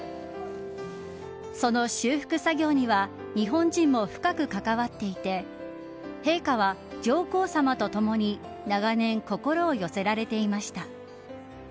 その修復作業には日本人も深く関わっていて陛下は、上皇さまとともに長年、心を寄せられていました。